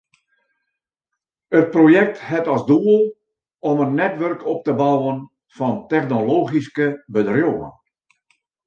It projekt hat as doel om in netwurk op te bouwen fan technologyske bedriuwen.